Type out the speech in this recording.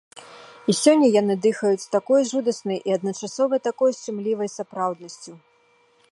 І сёння яны дыхаюць такой жудаснай і адначасова такой шчымлівай сапраўднасцю!